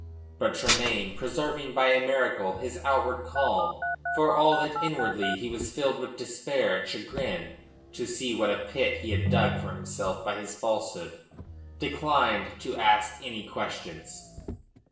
But Tremayne, preserving by a miracle his outward calm, for all that inwardly he was filled with despair and chagrin to see what a pit he had dug for himself by his falsehood, declined to ask any questions.